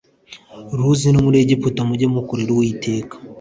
ruzi no muri Egiputa mujye mukorera Uwiteka